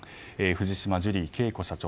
藤島ジュリー景子社長